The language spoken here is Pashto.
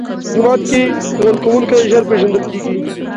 جومات کې غول کوونکی ژر پېژندل کېږي.